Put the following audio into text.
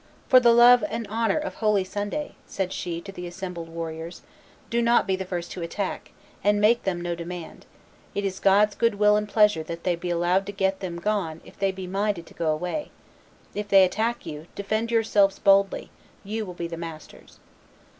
"For the love and honor of holy Sunday," said she to the assembled warriors, "do not be the first to attack, and make to them no demand; it is God's good will and pleasure that they be allowed to get them gone if they be minded to go away; if they attack you, defend yourselves boldly; you will be the masters."